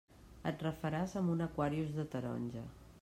Et refaràs amb un Aquarius de taronja.